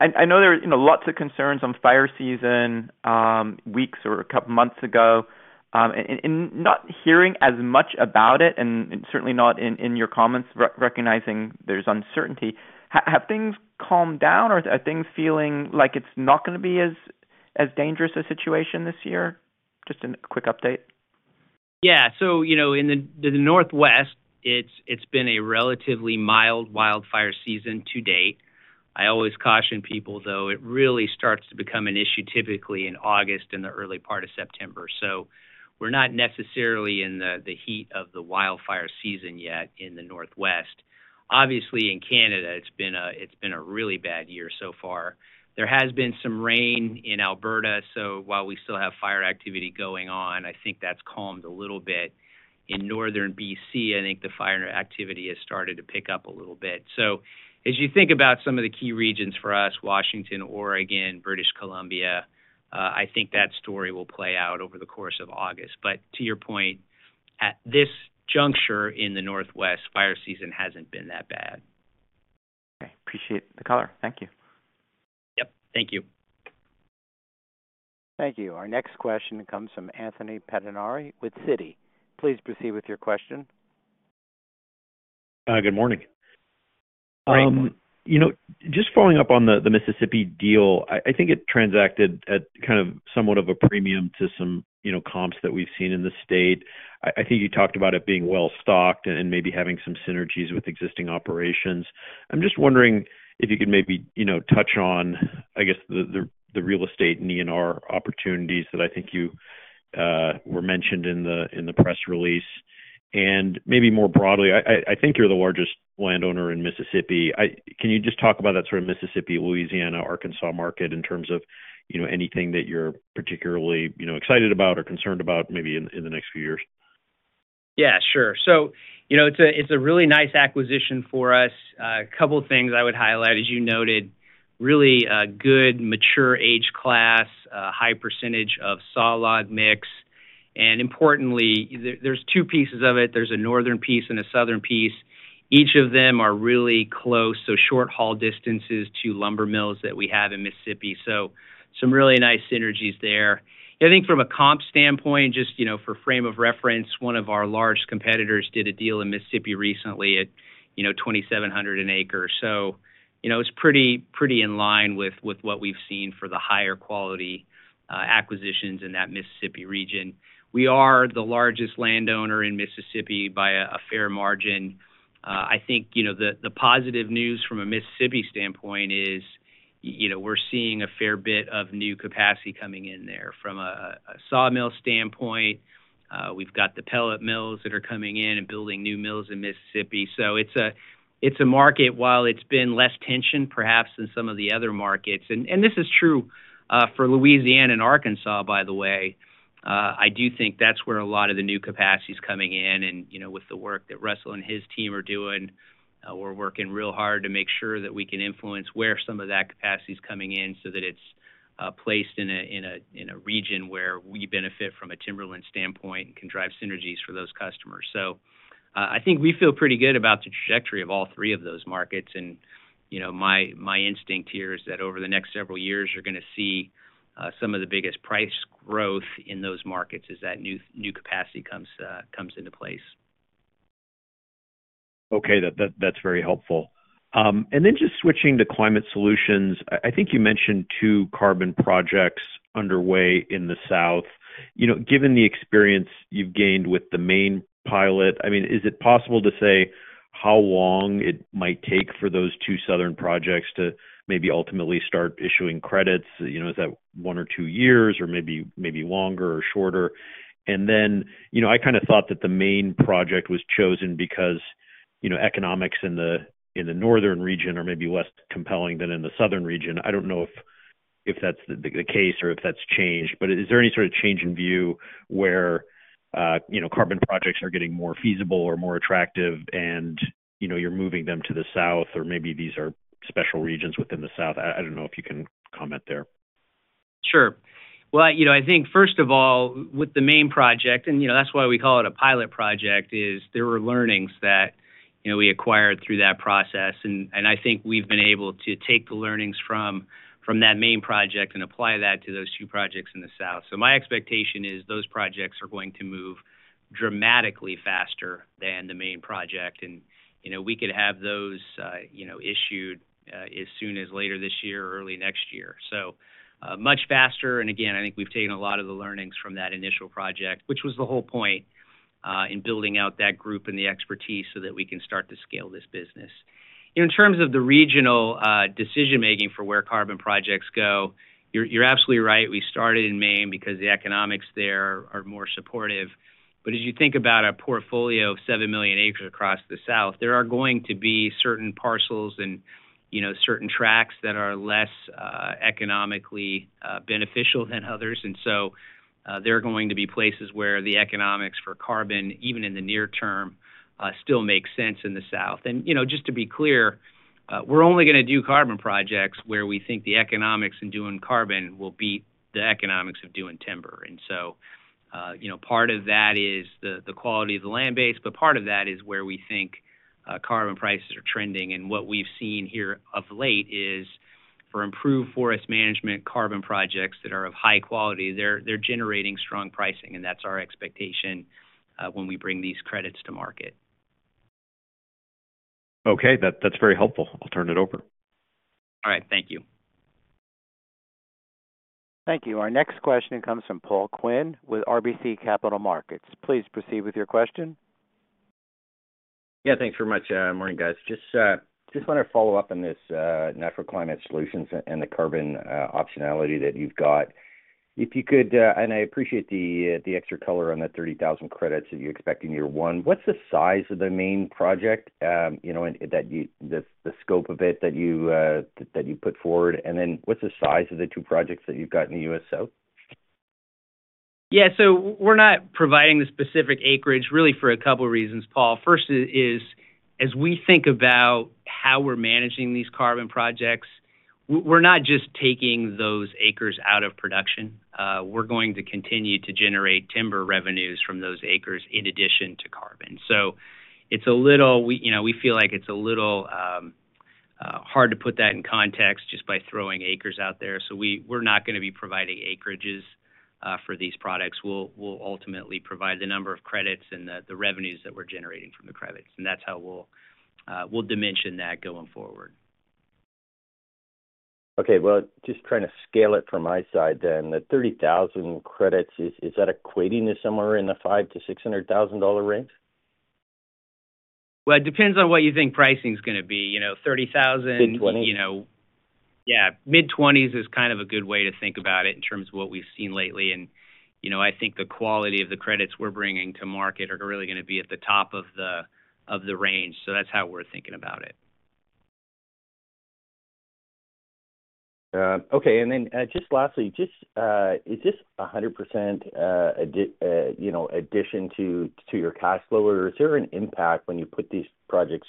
I, I know there are, you know, lots of concerns on wildfire season, weeks or a couple months ago, and, and not hearing as much about it, and, and certainly not in, in your comments, recognizing there's uncertainty. Have things calmed down, or are things feeling like it's not gonna be as, as dangerous a situation this year? Just a quick update. Yeah. You know, in the, the Northwest, it's, it's been a relatively mild wildfire season to date. I always caution people, though, it really starts to become an issue typically in August, in the early part of September. We're not necessarily in the, the heat of the wildfire season yet in the Northwest. Obviously, in Canada, it's been a, it's been a really bad year so far. There has been some rain in Alberta, so while we still have fire activity going on, I think that's calmed a little bit. In northern BC, I think the fire activity has started to pick up a little bit. As you think about some of the key regions for us, Washington, Oregon, British Columbia, I think that story will play out over the course of August. To your point, at this juncture in the Northwest, fire season hasn't been that bad. Okay. Appreciate the color. Thank you. Yep, thank you. Thank you. Our next question comes from Anthony Pettinari with Citi. Please proceed with your question. Good morning. Good morning. You know, just following up on the Mississippi transaction, I, I think it transacted at kind of somewhat of a premium to some, you know, comps that we've seen in the state. I, I think you talked about it being well-stocked and maybe having some synergies with existing operations. I'm just wondering if you could maybe, you know, touch on, I guess, the, the, the Real Estate & ENR opportunities that I think you were mentioned in the, in the press release, and maybe more broadly, I, I, I think you're the largest landowner in Mississippi. Can you just talk about that sort of Mississippi, Louisiana, Arkansas market in terms of, you know, anything that you're particularly, you know, excited about or concerned about maybe in, in the next few years? Yeah, sure. You know, it's a really nice acquisition for us. A couple of things I would highlight, as you noted, really a good mature age class, high percentage of sawlog mix, and importantly, there's 2 pieces of it. There's a northern piece and a southern piece. Each of them are really close, so short haul distances to lumber mills that we have in Mississippi. Some really nice synergies there. I think from a comp standpoint, just, you know, for frame of reference, one of our large competitors did a deal in Mississippi recently at, you know, $2,700 an acre. You know, it's pretty in line with what we've seen for the higher quality acquisitions in that Mississippi region. We are the largest landowner in Mississippi by a fair margin. I think, you know, the, the positive news from a Mississippi standpoint is, you know, we're seeing a fair bit of new capacity coming in there. From a, a sawmill standpoint, we've got the pellet mills that are coming in and building new mills in Mississippi, so it's a, it's a market, while it's been less tension perhaps than some of the other markets, and, and this is true, for Louisiana and Arkansas, by the way, I do think that's where a lot of the new capacity is coming in, and, you know, with the work that Russell and his team are doing, we're working real hard to make sure that we can influence where some of that capacity is coming in, so that it's, placed in a, in a, in a region where we benefit from a timberland standpoint and can drive synergies for those customers. I think we feel pretty good about the trajectory of all three of those markets, and, you know, my, my instinct here is that over the next several years, you're gonna see some of the biggest price growth in those markets as that new, new capacity comes into place. Okay, that's very helpful. Then just switching to climate solutions, I think you mentioned two carbon projects underway in the South. You know, given the experience you've gained with the Maine pilot, I mean, is it possible to say, how long it might take for those two Southern projects to maybe ultimately start issuing credits? You know, is that 1 or 2 years, or maybe, maybe longer or shorter? Then, you know, I kind of thought that the Maine project was chosen because, you know, economics in the, in the Northern region are maybe less compelling than in the Southern region. I don't know if, if that's the, the case or if that's changed, but is there any sort of change in view where, you know, carbon projects are getting more feasible or more attractive and, you know, you're moving them to the South, or maybe these are special regions within the South? I, I don't know if you can comment there. Sure. Well, you know, I think first of all, with the Maine project, and, you know, that's why we call it a pilot project, is there were learnings that, you know, we acquired through that process. I think we've been able to take the learnings from that Maine project and apply that to those two projects in the South. My expectation is those projects are going to move dramatically faster than the Maine project, and, you know, we could have those, you know, issued as soon as later this year or early next year. Much faster, and again, I think we've taken a lot of the learnings from that initial project, which was the whole point, in building out that group and the expertise so that we can start to scale this business. In terms of the regional decision-making for where carbon projects go, you're, you're absolutely right. We started in Maine because the economics there are more supportive. As you think about a portfolio of 7 million acres across the South, there are going to be certain parcels and, you know, certain tracks that are less economically beneficial than others. There are going to be places where the economics for carbon, even in the near term, still make sense in the South. You know, just to be clear, we're only gonna do carbon projects where we think the economics in doing carbon will beat the economics of doing timber. You know, part of that is the, the quality of the land base, but part of that is where we think carbon prices are trending. What we've seen here of late is for improved forest management, carbon projects that are of high quality, they're generating strong pricing, and that's our expectation when we bring these credits to market. Okay. That, that's very helpful. I'll turn it over. All right. Thank you. Thank you. Our next question comes from Paul Quinn with RBC Capital Markets. Please proceed with your question. Yeah, thanks very much. Morning, guys. Just, just want to follow up on this Natural Climate Solutions and the carbon optionality that you've got. If you could, and I appreciate the extra color on the 30,000 credits that you expect in year one. What's the size of the Maine project? You know, the scope of it that you put forward, and then what's the size of the two projects that you've got in the US South? Yeah. We're not providing the specific acreage really for a couple reasons, Paul. First is, as we think about how we're managing these carbon projects, we're not just taking those acres out of production. We're going to continue to generate timber revenues from those acres in addition to carbon. It's a little... We, you know, we feel like it's a little hard to put that in context just by throwing acres out there, so we're not gonna be providing acreages for these products. We'll, we'll ultimately provide the number of credits and the, the revenues that we're generating from the credits, and that's how we'll dimension that going forward. Okay. Well, just trying to scale it from my side then, the 30,000 credits, is that equating to somewhere in the $500,000-$600,000 range? Well, it depends on what you think pricing is gonna be. You know, $30,000. Mid-twenties? You know. Yeah, mid-20s is kind of a good way to think about it in terms of what we've seen lately. You know, I think the quality of the credits we're bringing to market are really gonna be at the top of the range, so that's how we're thinking about it. Okay. Just lastly, just, is this 100%, you know, addition to your cash flow, or is there an impact when you put these projects,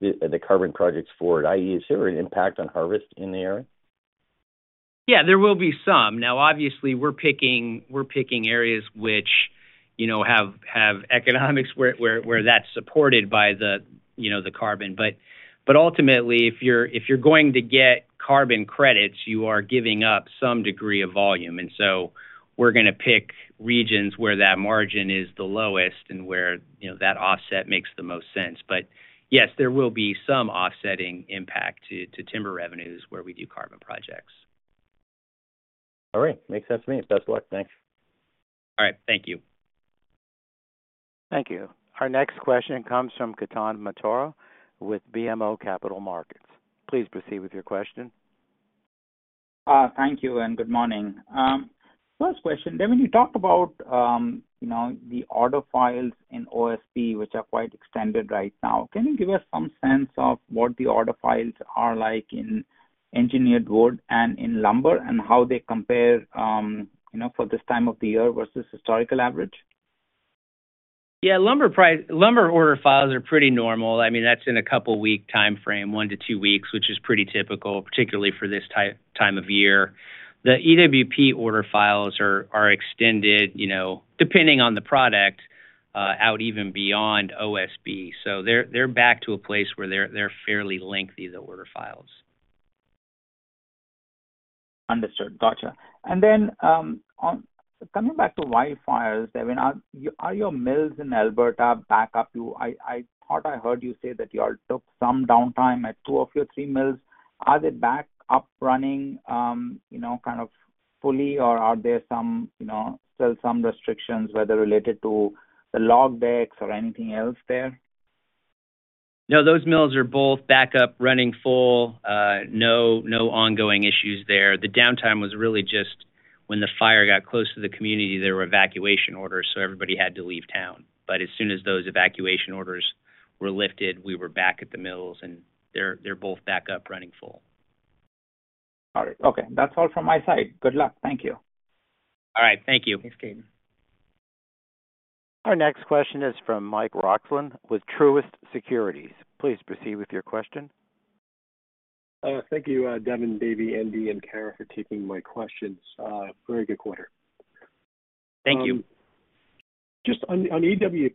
the carbon projects forward, i.e., is there an impact on harvest in the area? Yeah, there will be some. Obviously, we're picking, we're picking areas which, you know, have, have economics where, where, where that's supported by the, you know, the carbon. Ultimately, if you're, if you're going to get carbon credits, you are giving up some degree of volume. So we're gonna pick regions where that margin is the lowest and where, you know, that offset makes the most sense. Yes, there will be some offsetting impact to, to timber revenues where we do carbon projects. All right. Makes sense to me. Best of luck. Thanks. All right. Thank you. Thank you. Our next question comes from Ketan Mamtora with BMO Capital Markets. Please proceed with your question. Thank you, and good morning. First question, Devin, you talked about, you know, the order files in OSB, which are quite extended right now. Can you give us some sense of what the order files are like in engineered wood and in lumber, and how they compare, you know, for this time of the year versus historical average? Yeah, lumber order files are pretty normal. I mean, that's in a 2-week time frame, 1-2 weeks, which is pretty typical, particularly for this time of year. The EWP order files are extended, you know, depending on the product, out even beyond OSB. They're back to a place where they're fairly lengthy, the order files. Understood. Gotcha. Coming back to wildfires, Devin, are, are your mills in Alberta back up to... I, I thought I heard you say that you all took some downtime at 2 of your 3 mills. Are they back up running, you know? fully, or are there some, you know, still some restrictions, whether related to the log decks or anything else there? No, those mills are both back up, running full. No, no ongoing issues there. The downtime was really just when the fire got close to the community, there were evacuation orders, so everybody had to leave town. As soon as those evacuation orders were lifted, we were back at the mills, and they're, they're both back up, running full. All right. Okay, that's all from my side. Good luck. Thank you. All right, thank you. Thanks, Ketan. Our next question is from Mike Roxland with Truist Securities. Please proceed with your question. Thank you, Devin, Davey, Andy, and Kara, for taking my questions. Very good quarter. Thank you. Just on, on EWP,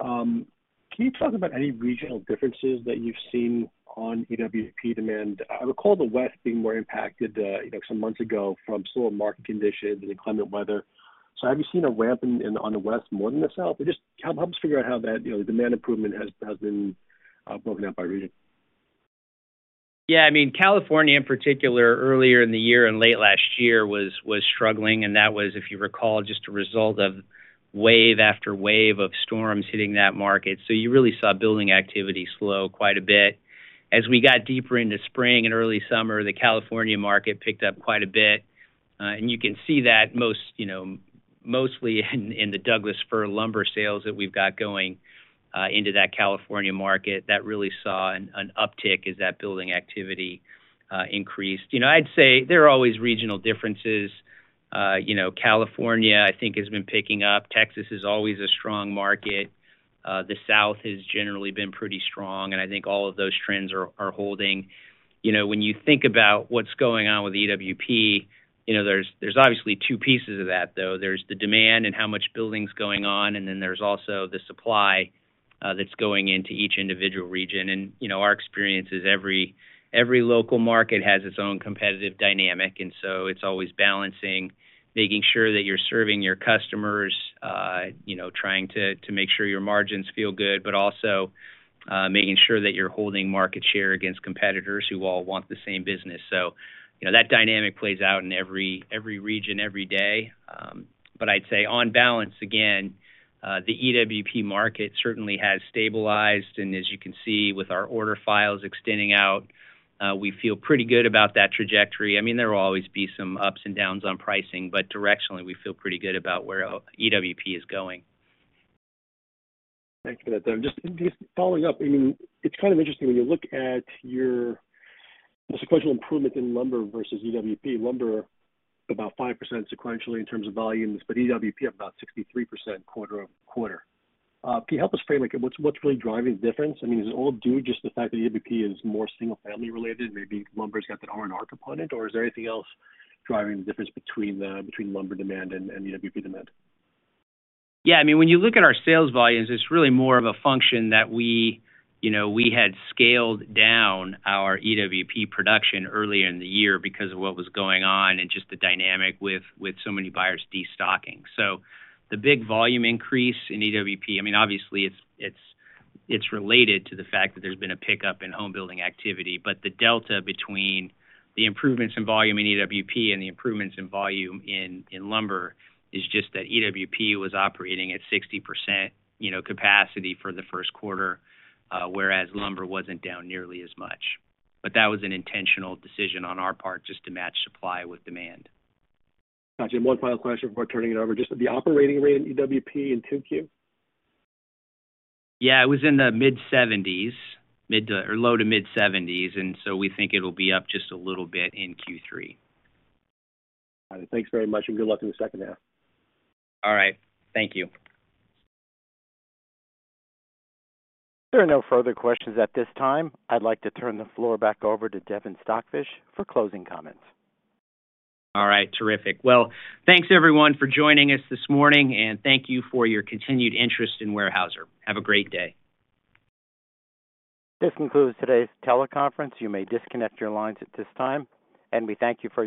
can you talk about any regional differences that you've seen on EWP demand? I recall the West being more impacted, some months ago from slower market conditions and the climate weather. Have you seen a ramp in, on the West more than the South? Just help, help us figure out how that demand improvement has been broken out by region. I mean, California in particular, earlier in the year and late last year was, was struggling, and that was, if you recall, just a result of wave after wave of storms hitting that market. You really saw building activity slow quite a bit. As we got deeper into spring and early summer, the California market picked up quite a bit, and you can see that most, you know, mostly in, in the Douglas fir lumber sales that we've got going, into that California market. That really saw an uptick as that building activity increased. You know, I'd say there are always regional differences. You know, California, I think, has been picking up. Texas is always a strong market. The South has generally been pretty strong, and I think all of those trends are holding. You know, when you think about what's going on with EWP, you know, there's, there's obviously two pieces of that, though. There's the demand and how much building's going on, and then there's also the supply that's going into each individual region. You know, our experience is every, every local market has its own competitive dynamic, and so it's always balancing, making sure that you're serving your customers, you know, trying to, to make sure your margins feel good, but also making sure that you're holding market share against competitors who all want the same business. You know, that dynamic plays out in every, every region, every day. But I'd say on balance, again, the EWP market certainly has stabilized, and as you can see, with our order files extending out, we feel pretty good about that trajectory. I mean, there will always be some ups and downs on pricing, but directionally, we feel pretty good about where EWP is going. Thanks for that. Just, just following up, I mean, it's kind of interesting when you look at your sequential improvement in lumber versus EWP. Lumber, about 5% sequentially in terms of volumes, but EWP up about 63% quarter-over-quarter. Can you help us frame, like, what's, what's really driving the difference? I mean, is it all due to just the fact that EWP is more single-family related, maybe lumber's got that R&R component? Or is there anything else driving the difference between the, between lumber demand and, and EWP demand? Yeah, I mean, when you look at our sales volumes, it's really more of a function that we, you know, we had scaled down our EWP production earlier in the year because of what was going on and just the dynamic with, with so many buyers destocking. The big volume increase in EWP, I mean, obviously it's, it's, it's related to the fact that there's been a pickup in home building activity, but the delta between the improvements in volume in EWP and the improvements in volume in, in lumber is just that EWP was operating at 60%, you know, capacity for the Q1, whereas lumber wasn't down nearly as much. That was an intentional decision on our part just to match supply with demand. Got you. One final question before turning it over. Just the operating rate in EWP in Q2? Yeah, it was in the mid-70s. Low to mid-70s, we think it'll be up just a little bit in Q3. All right. Thanks very much, and good luck in the second half. All right. Thank you. There are no further questions at this time. I'd like to turn the floor back over to Devin Stockfish for closing comments. All right. Terrific. Well, thanks everyone for joining us this morning, and thank you for your continued interest in Weyerhaeuser. Have a great day. This concludes today's teleconference. You may disconnect your lines at this time, and we thank you for your participation.